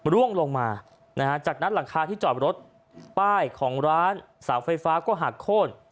ร่วงลงมานะฮะจากนั้นหลังคาที่จอดรถป้ายของร้านเสาไฟฟ้าก็หักโค้น